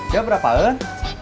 dia berapa en